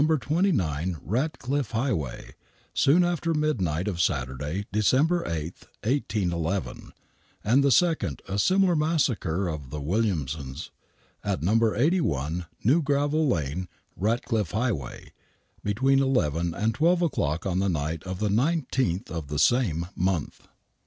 29 Ratcliffe Highway, soon after midnight of Saturday, December 8, 1811, and the eecond, a similar massacre of the Williamsons, at No. 81 New Gravel Lane, Eatcliffe Highway, between eleven and twelve o'clock on the night of the 19th of the same month.